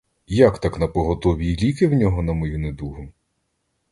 Як так напоготові й ліки в нього на мою недугу?